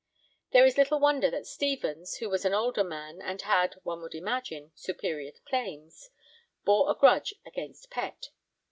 There is little wonder that Stevens (who was an older man and had, one would imagine, superior claims) bore a grudge against Pett.